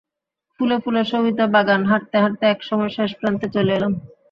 ফুলে ফুলে শোভিত বাগানে হাঁটতে হাঁটতে একসময় শেষ প্রান্তে চলে এলাম।